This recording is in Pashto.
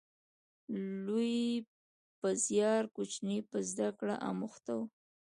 لوی په زیار، کوچنی په زده کړه اموخته و